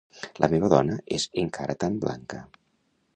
La meva dona és encara tan blanca.